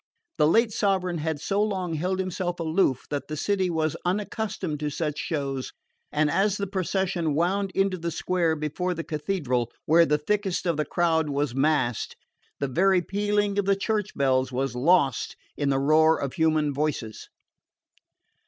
The late sovereign had so long held himself aloof that the city was unaccustomed to such shows, and as the procession wound into the square before the Cathedral, where the thickest of the crowd was massed, the very pealing of the church bells was lost in the roar of human voices.